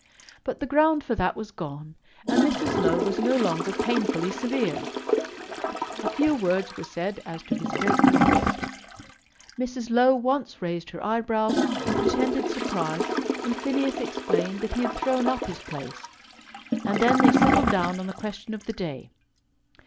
But the ground for that was gone, and Mrs. Low was no longer painfully severe. A few words were said as to his great loss. Mrs. Low once raised her eyebrows in pretended surprise when Phineas explained that he had thrown up his place, and then they settled down on the question of the day.